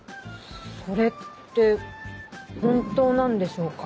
それって本当なんでしょうか。